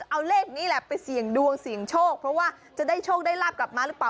เอาเลขนี้แหละไปเสี่ยงดวงเสี่ยงโชคเพราะว่าจะได้โชคได้ลาบกลับมาหรือเปล่า